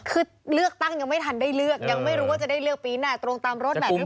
คือเลือกตั้งยังไม่ทันได้เลือกยังไม่รู้ว่าจะได้เลือกปีหน้าตรงตามรถแบบนั้น